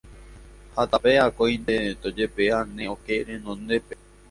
Ha tape akóinte tojepe'a ne okẽ renondépe.